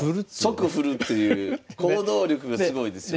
即振るっていう行動力がすごいですよね。